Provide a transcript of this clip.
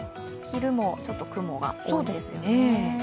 昼もちょっと雲が多いですね。